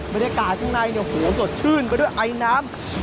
บรรยากาศข้างในเนี่ยโหสดชื่นไปด้วยไอน้ำ